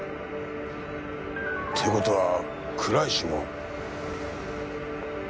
って事は倉石も。